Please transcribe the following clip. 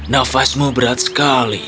nafasmu berat sekali